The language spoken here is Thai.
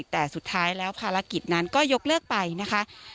แต่สุดท้ายแล้วภารกิจนั้นก็ยกเลิกไปนะคะ